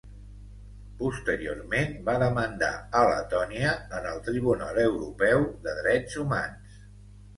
Posteriorment, va demandar a Letònia en el Tribunal Europeu de Drets Humans.